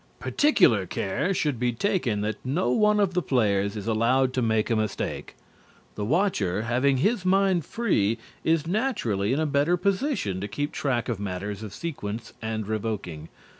Particular care should be taken that no one of the players is allowed to make a mistake. The watcher, having his mind free, is naturally in a better position to keep track of matters of sequence and revoking.